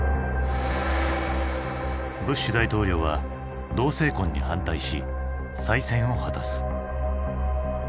ブッシュ大統領は同性婚に反対し再選を果たす。